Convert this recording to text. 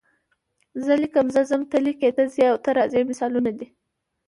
زه لیکم، زه ځم، ته لیکې، ته ځې او ته راځې مثالونه دي.